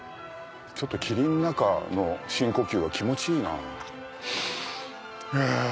ちょっと霧の中の深呼吸は気持ちいいな。